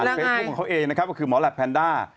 แล้วไงคือหมอแหลปแพนด้า